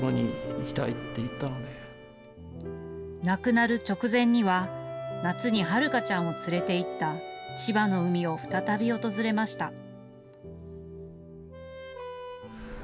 亡くなる直前には、夏にはるかちゃんを連れていった千葉の海を再び訪れました。